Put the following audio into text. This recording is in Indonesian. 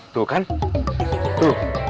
tuh kan tuh